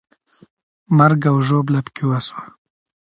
مرګ او ژوبله پکې وسوه.